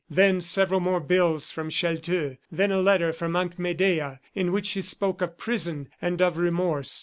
Then several more bills from Chelteux; then a letter from Aunt Medea in which she spoke of prison and of remorse.